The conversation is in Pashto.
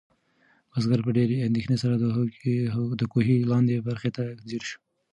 بزګر په ډېرې اندېښنې سره د کوهي لاندې برخې ته ځیر شو.